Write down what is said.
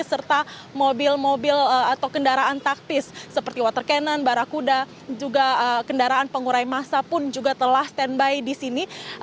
serta mobil mobil atau kendaraan taktis seperti water cannon barakuda juga kendaraan pengurai masa pun juga telah standby di sini